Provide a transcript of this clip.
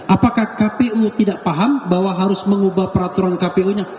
apakah kpu tidak paham bahwa harus mengubah peraturan kpu nya